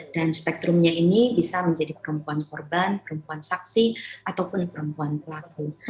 dan spektrumnya ini bisa menjadi perempuan korban perempuan saksi ataupun perempuan pelaku